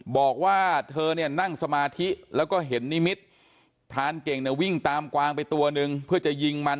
บอกว่าเธอเนี่ยนั่งสมาธิแล้วก็เห็นนิมิตรพรานเก่งเนี่ยวิ่งตามกวางไปตัวนึงเพื่อจะยิงมัน